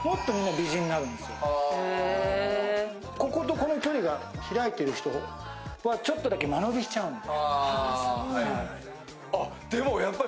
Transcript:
この距離が開いている人はちょっとだけ間延びしちゃうんで。